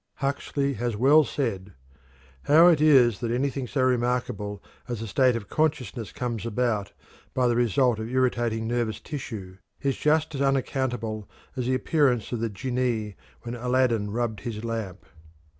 Huxley has well said: "How it is that anything so remarkable as a state of consciousness comes about by the result of irritating nervous tissue, is just as unaccountable as the appearance of the jinnee when Aladdin rubbed his lamp."